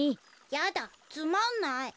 やだつまんない。